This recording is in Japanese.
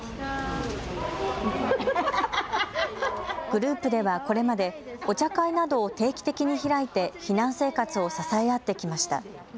グループではこれまでお茶会などを定期的に開いて避難生活を支え合ってきました。